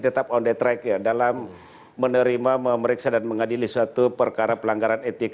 tetap on the track ya dalam menerima memeriksa dan mengadili suatu perkara pelanggaran etik